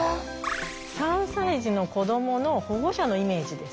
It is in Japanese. ３歳児の子どもの保護者のイメージです。